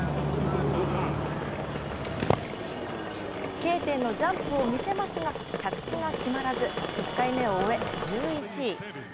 Ｋ点のジャンプを見せますが着地が決まらず１回目を終え１１位。